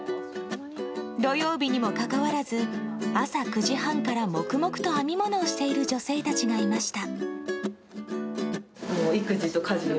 土曜日にもかかわらず朝９時半から黙々と編み物をしている女性たちがいました。